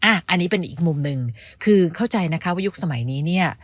อันนี้เป็นอีกมุมหนึ่งคือเข้าใจนะคะว่ายุคสมัยนี้เนี่ย